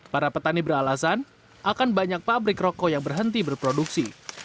para petani beralasan akan banyak pabrik rokok yang berhenti berproduksi